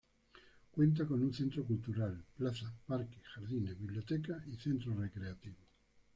Cuenta con un centro cultural, plazas, parques, jardines, biblioteca y centros recreativos.